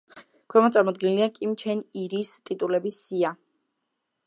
ქვემოთ წარმოდგენილია კიმ ჩენ ირის ტიტულების სია.